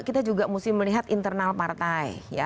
kita juga mesti melihat internal partai